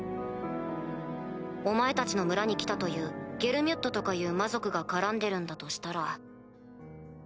お前たちの村に来たというゲルミュッドとかいう魔族が絡んでるんだとしたら。